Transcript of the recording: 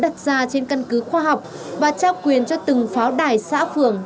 đặt ra trên căn cứ khoa học và trao quyền cho từng pháo đài xã phường